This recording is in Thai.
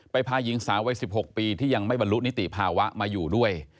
พาหญิงสาววัย๑๖ปีที่ยังไม่บรรลุนิติภาวะมาอยู่ด้วย